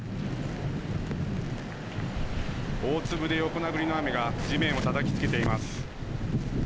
大粒で横殴りの雨が地面をたたきつけています。